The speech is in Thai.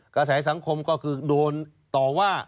กระแสสังคมก็คือโดนต่อว่า